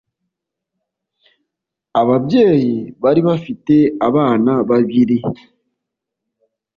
Ababyeyi bari bafite abana babiri